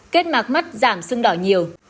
kết mạc mắt giảm sưng đỏ nhiều